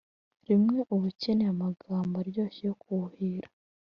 rimwe uba ukeneye amagambo aryoshye yo kuwuhira